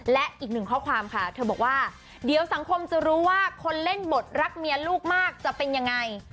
และอีกหนึ่งข้อความค่ะเธอบอกว่าเดี๋ยวสังคมจะรู้ว่าคนเล่นบทรักเมียลูกมากจะเป็นยังไง